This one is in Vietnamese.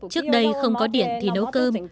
trước đây không có điện thì nấu cơm